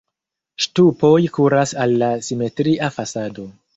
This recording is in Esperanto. Ŝtupoj kuras al la simetria fasado.